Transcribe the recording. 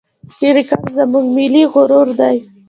کرکټ زموږ ملي غرور دئ.